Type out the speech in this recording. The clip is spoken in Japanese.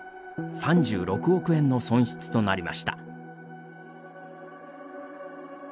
３６億円の損失となりました。